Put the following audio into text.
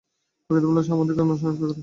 প্রকৃত ভালবাসা আমাদিগকে অনাসক্ত করে।